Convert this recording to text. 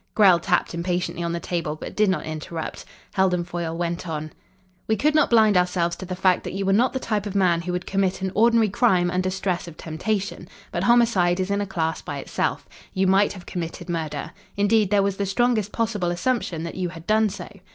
Grell tapped impatiently on the table, but did not interrupt. Heldon Foyle went on. "We could not blind ourselves to the fact that you were not the type of man who would commit an ordinary crime under stress of temptation. But homicide is in a class by itself. You might have committed murder. Indeed, there was the strongest possible assumption that you had done so.